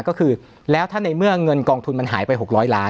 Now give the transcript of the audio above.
ก็คือแล้วถ้าในเมื่อเงินกองทุนมันหายไป๖๐๐ล้าน